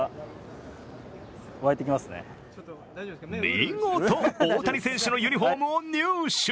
見事、大谷選手のユニフォームを入手。